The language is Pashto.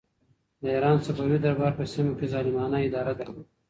د ایران صفوي دربار په سیمه کې ظالمانه اداره درلوده.